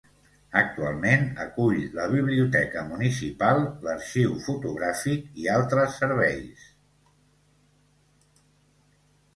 Actualment acull la biblioteca municipal, l'arxiu fotogràfic i altres serveis.